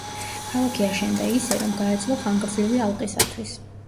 ქალაქი აშენდა ისე, რომ გაეძლო ხანგრძლივი ალყისათვის.